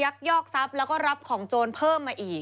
ยอกทรัพย์แล้วก็รับของโจรเพิ่มมาอีก